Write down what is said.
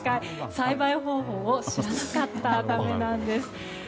栽培方法を知らなかったためなんです。